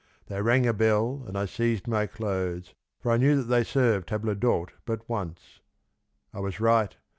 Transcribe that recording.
They rang a bell, and I seized my clothes, for I knew that they served table d'hote but once. I was right